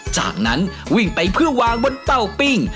จากนั้นวิ่งไปเพื่อวางบนเตาปิ้ง